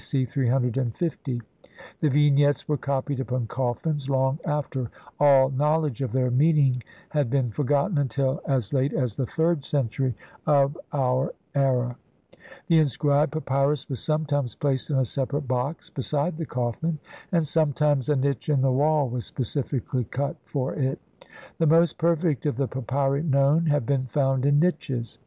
C. 350 ; the Vignettes were copied upon coffins, long after all knowledge of their meaning had been forgotten, until as late as the third century of our THE HISTORY OF THE BOOK OF THE DEAD. LXXVII era. The inscribed papyrus was sometimes placed in a separate box beside the coffin, and sometimes a niche in the wall was specially cut for it ; the most perfect of the papyri known have been found in niches.